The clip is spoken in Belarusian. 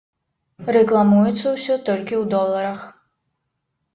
Рэкламуецца ўсё толькі ў доларах.